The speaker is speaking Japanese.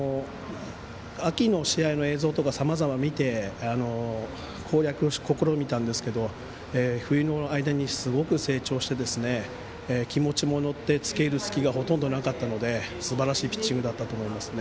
秋の試合の映像とかさまざま見て攻略を試みたんですけど冬の間にすごく成長して気持ちも乗って付け入る隙がほとんどなかったのですばらしいピッチングだったと思います。